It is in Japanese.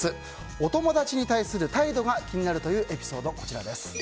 お友達に対する態度が気になるというエピソード。